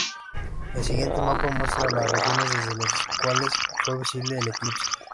El siguiente mapa muestra las regiones desde las cuales fue visible el eclipse.